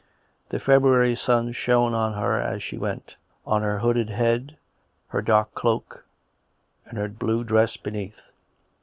The February sun shone on her as she went, on her hooded head, her dark cloak and her blue dress beneath.